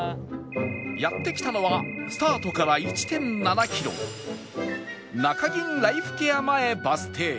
やって来たのはスタートから １．７ キロ中銀ライフケア前バス停